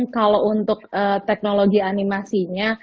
kalau untuk teknologi animasinya